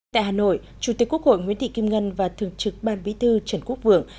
tại hà nội chủ tịch quốc hội nguyễn thị kim ngân và thường trực ban bí thư trần quốc vượng